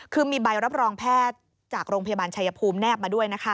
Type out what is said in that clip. คือมีใบรับรองแพทย์จากโรงพยาบาลชายภูมิแนบมาด้วยนะคะ